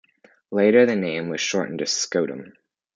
Later, the name was shortened to Scutum.